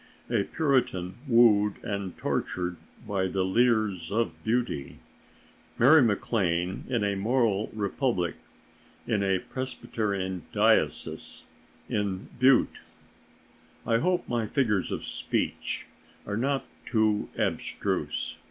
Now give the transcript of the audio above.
A Puritan wooed and tortured by the leers of beauty, Mary MacLane in a moral republic, in a Presbyterian diocese, in Butte.... I hope my figures of speech are not too abstruse.